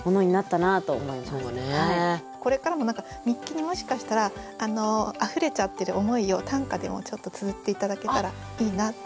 これからも日記にもしかしたら溢れちゃってる思いを短歌でもちょっとつづって頂けたらいいなって思いました。